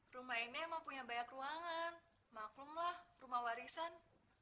rumah ini emang punya banyak ruangan maklumlah rumah warisan